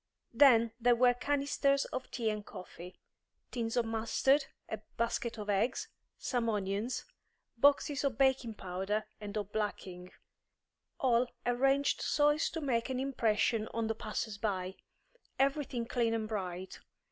Then there were canisters of tea and coffee, tins of mustard, a basket of eggs, some onions, boxes of baking powder and of blacking; all arranged so as to make an impression on the passers by; everything clean and bright.